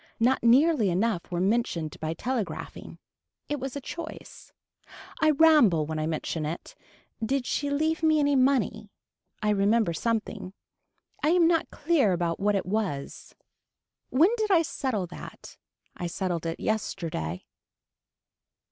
Not nearly enough were mentioned by telegraphing. It was a choice. I ramble when I mention it. Did she leave me any money. I remember something. I am not clear about what it was. When did I settle that. I settled it yesterday.